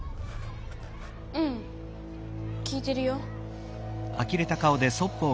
うん聞いてるよ。